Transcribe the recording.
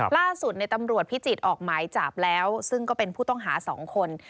ล่าสุดในตำรวจพิจิตรออกหมายจับแล้วซึ่งก็เป็นผู้ต้องหา๒คน